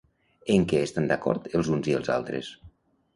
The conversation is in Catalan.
En què estan d'acord els uns i els altres?